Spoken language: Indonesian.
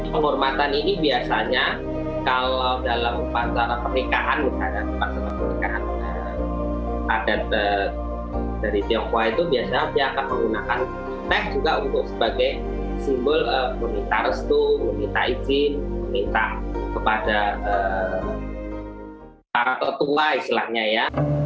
penghormatan ini biasanya kalau dalam pasal pernikahan pasal pernikahan adat dari tionghoa itu biasanya dia akan menggunakan teh juga untuk sebagai simbol meminta restu meminta izin meminta kepada para ketua istilahnya ya